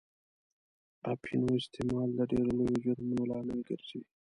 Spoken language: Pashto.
اپینو استعمال د ډېرو لویو جرمونو لامل ګرځي.